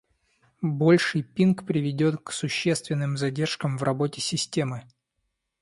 Больший пинг приведет к существенным задержкам в работе системы